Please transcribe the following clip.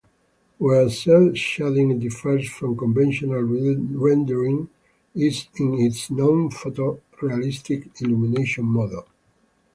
Where cel-shading differs from conventional rendering is in its non-photorealistic illumination model.